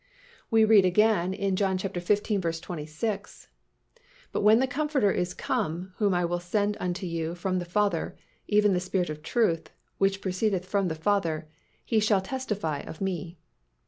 We read again in John xv. 26, "But when the Comforter is come, whom I will send unto you from the Father, even the Spirit of truth, which proceedeth from the Father, He shall testify of Me."